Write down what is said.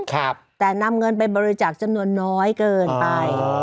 แต่นำเงินไปบริจาคจำนวนน้อยเกินไป